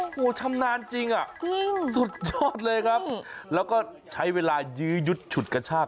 โอ้โหชำนาญจริงอ่ะจริงสุดยอดเลยครับแล้วก็ใช้เวลายื้อยุดฉุดกระชาก